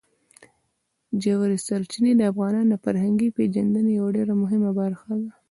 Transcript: ژورې سرچینې د افغانانو د فرهنګي پیژندنې یوه ډېره مهمه برخه ده.